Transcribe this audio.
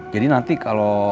jadi nanti kalau